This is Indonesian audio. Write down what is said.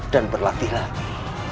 dan berlatih lagi